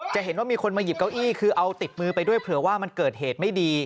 จะเห็นว่ามีคนมาหยิบเก้าอี้คือเอาติดมือไปด้วยเผื่อว่ามันเกิดเหตุไม่ดี